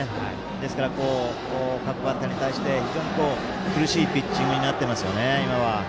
ですから、各バッターに対して非常に苦しいピッチングになっていますよね、今は。